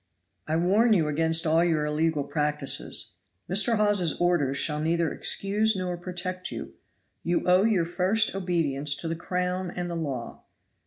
"I warn you against all your illegal practices. Mr. Hawes's orders shall neither excuse nor protect you. You owe your first obedience to the crown and the law.